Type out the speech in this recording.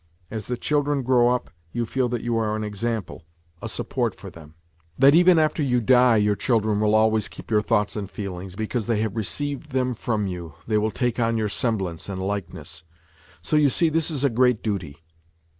As the children grow up you feel that you are an example, a support NOTES FROM UNDERGROUND 127 for them ; that even after you die your children will always keep your thoughts and feelings, because they have received them from you, they will take on your semblance and likeness. So you see this is a great duty.